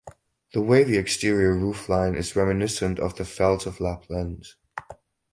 The wavy exterior roofline is reminiscent of the fells of Lapland.